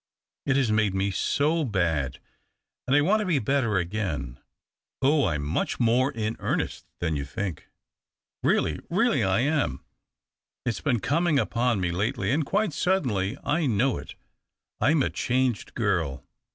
It has made me so bad, and I want to be better again. Oh, I'm much more in earnest than you think ! Eeally, really, I am ! It's been coming upon me lately — and quite suddenly, I know it. I'm a changed eirl."